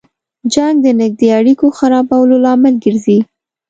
جنګ د نږدې اړیکو خرابولو لامل ګرځي.